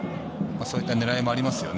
そういった狙いもありますよね。